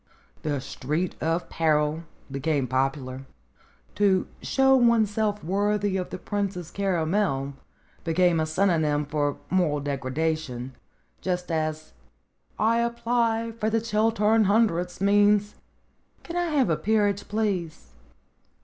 The Street of Peril became popular. "To show oneself worthy of the Princess Caramel" became a synonym for moral degradation, just as "I apply for the Chiltern Hundreds" means "Can I have a peerage, please